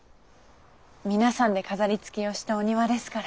皆さんで飾りつけをしたお庭ですから。